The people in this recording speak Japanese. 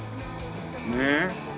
ねえ。